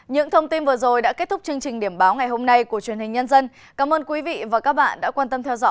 những thông tin vừa rồi đã kết thúc chương trình điểm báo ngày hôm nay của truyền hình nhân dân